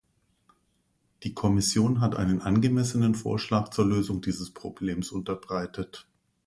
Die Kommission hat einen angemessenen Vorschlag zur Lösung dieses Problems unterbreitet.